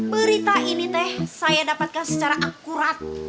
berita ini teh saya dapatkan secara akurat